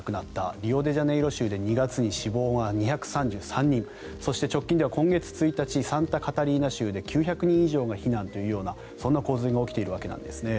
リオデジャネイロ州で２月に死亡が２３３人そして直近では今月１日サンタカタリーナ州で９００人以上が避難というようなそんな洪水が起きているわけなんですね。